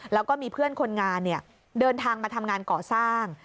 แล้วก็มีเพื่อนคนงานเดินทางมาทำงานก่อสร้าง